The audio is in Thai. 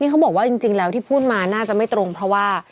เขาบอกว่าจริงแล้วที่พูดมาน่าจะไม่ตรงเพราะว่า